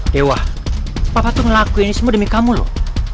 dewa papa tuh ngelakuin ini semua demi kamu loh